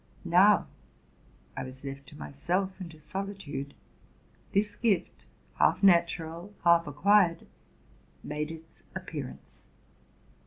Now I was left to myself and to solitude, this gift, half natural, half acquired, made its appearance.